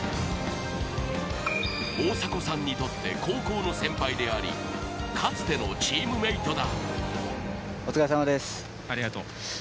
大迫さんにとって高校の先輩であり、かつてのチームメイトだ。